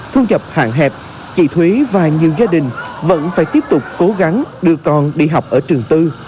thu nhập hạn hẹp chị thúy và nhiều gia đình vẫn phải tiếp tục cố gắng đưa con đi học ở trường tư